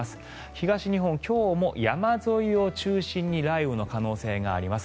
東日本、今日も山沿いを中心に雷雨の可能性があります。